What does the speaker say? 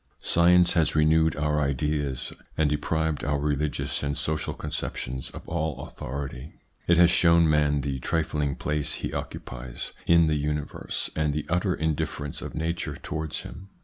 Science has renewed our ideas, and deprived our religious and social conceptions of all authority. It has shown man the trifling place he occupies in the universe, and the utter indifference of Nature towards him.